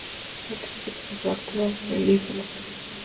Hay tres tipos de fracturas de Le Fort.